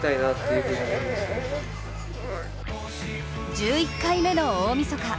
１１回目の大みそか。